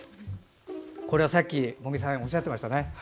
これはさっき茂木さんおっしゃってましたね。